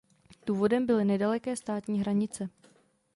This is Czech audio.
Důvodem byly nedaleké státní hranice.